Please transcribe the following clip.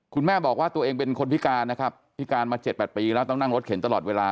คุณแม่บอกว่าตัวเองเป็นคนพิการนะครับพิการมา๗๘ปีแล้วต้องนั่งรถเข็นตลอดเวลา